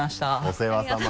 お世話さま。